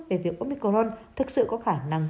về việc omicron thực sự có khả năng